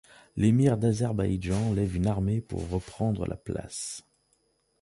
L'émir d'Azerbaïdjan lève une armée pour reprendre la place.